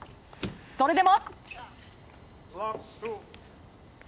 それでも。